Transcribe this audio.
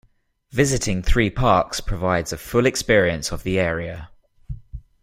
Visiting three parks provides a full experience of the area.